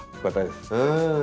うん！